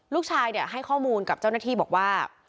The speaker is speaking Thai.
ลูกชายให้ข้อมูลกับเจ้าหน้าที่บอกว่า